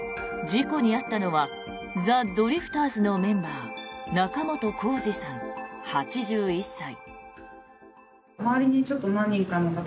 事故に遭ったのはザ・ドリフターズのメンバー仲本工事さん、８１歳。